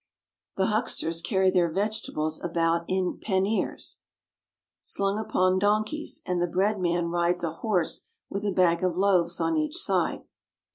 The hucksters carry their vegetables about in panniers slung upon donkeys, and the bread man rides a horse with a bag of loaves on each side.